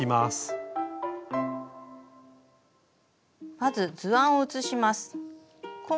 まず図案を写します。